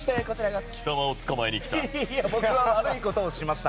貴様をつかまえにきた。